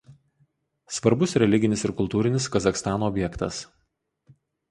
Svarbus religinis ir kultūrinis Kazachstano objektas.